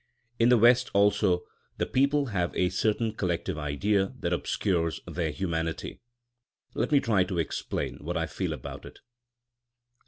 In the West, also, the people have a certain collective idea that obscures their humanity. Let me try to explain what I feel about it.